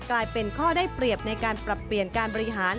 กลายเป็นข้อได้เปรียบในการปรับเปลี่ยนการบริหาร